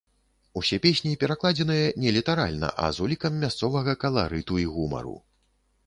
Усе песні перакладзеныя не літаральна, а з улікам мясцовага каларыту і гумару.